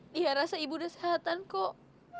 dia rasa ibu udah sehatan kok